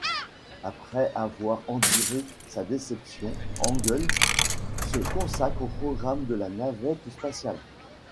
Après avoir enduré sa déception, Engle se consacre au programme de la navette spatiale.